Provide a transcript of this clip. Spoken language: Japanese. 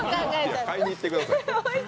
いや、買いに行ってください。